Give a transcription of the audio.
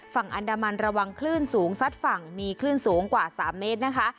ฝั่งอันดามันระวังคลื่นสูงซัดฝั่งมีคลื่นสูงกว่า๓เมตรนะคะ